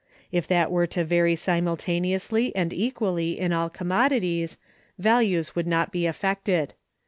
If that were to vary simultaneously and equally in all commodities, values would not be affected.